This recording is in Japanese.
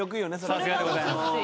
さすがでございます。